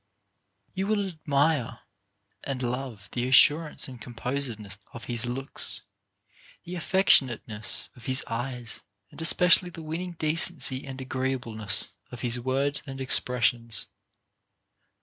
You would admire and love the assurance and compos edness of his looks, the affectionateness of his eyes, and especially the winning decency and agreeableness of his words and expressions.